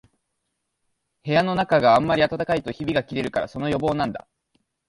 室のなかがあんまり暖かいとひびがきれるから、その予防なんだ